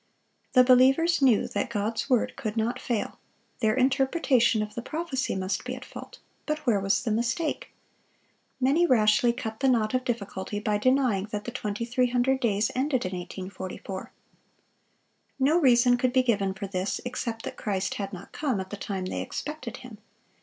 The believers knew that God's word could not fail; their interpretation of the prophecy must be at fault; but where was the mistake? Many rashly cut the knot of difficulty by denying that the 2300 days ended in 1844. No reason could be given for this, except that Christ had not come at the time they expected Him.